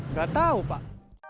nggak tahu pak